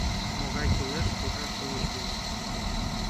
Могай кӱлеш, тугай шовыч уло.